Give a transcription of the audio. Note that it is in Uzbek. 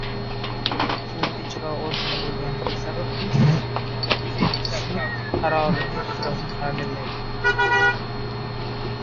U Ijrochi organ boʻlgani sababli sud qarori ijrosini taʼminlaydi.